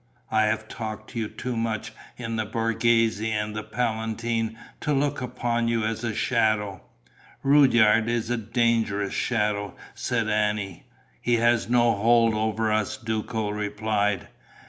"I have talked to you too much in the Borghese and on the Palatine to look upon you as a shadow." "Rudyard is a dangerous shadow," said Annie. "He has no hold over us," Duco replied.